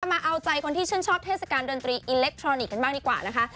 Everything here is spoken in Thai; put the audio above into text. มาเอาใจคนที่ชื่นชอบเทศกาลดนตรีอิเล็กทรอนิกส์กันบ้างดีกว่านะคะ